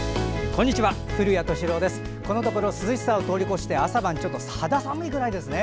このところ涼しさを通り越して朝晩ちょっと肌寒いくらいですね。